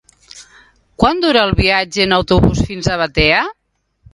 Quant dura el viatge en autobús fins a Batea?